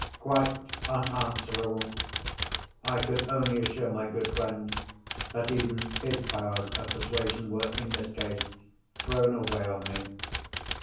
Quite unanswerable! I could only assure my good friend that even his powers of persuasion were, in this case, thrown away on me.